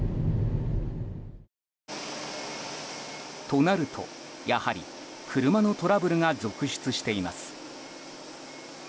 となると、やはり車のトラブルが続出しています。